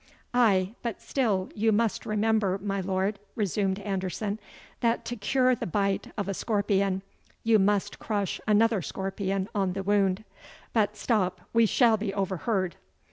"Ay, but still you must remember, my lord," resumed Anderson, "that to cure the bite of a scorpion, you must crush another scorpion on the wound But stop, we shall be overheard."